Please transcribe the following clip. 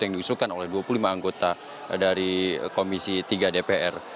yang diusulkan oleh dua puluh lima anggota dari komisi tiga dpr